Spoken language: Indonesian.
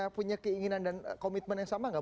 punya keinginan dan komitmen yang sama nggak